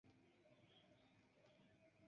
Li publikigis pli ol ducent studojn kaj librojn.